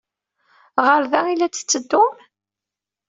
Ɣer da ay la d-tetteddum?